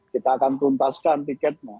kita akan tuntaskan tiketnya